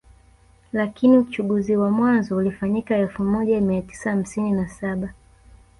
Lakini uchaguzi wa mwanzo ulifanyika elfu moja mia tisa hamsini na saba